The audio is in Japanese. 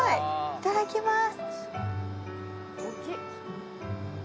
いただきます。